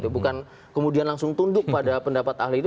bukan kemudian langsung tunduk pada pendapat ahli itu